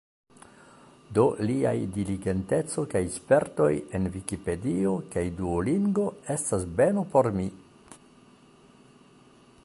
Do, liaj diligenteco kaj spertoj en Vikipedio kaj Duolingo estas beno por mi.